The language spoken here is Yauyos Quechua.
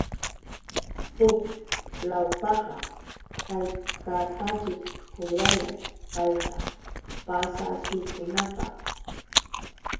Huk lawpaqa, ¿haykataćhik kubrayan payqa? Pasahikunapaq.